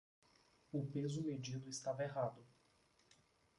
O peso medido estava errado